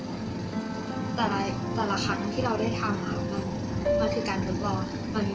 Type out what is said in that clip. คือเหมือนกับเรามองว่ามันแต่ละครั้งที่เราได้ทำมันคือการรึเปล่า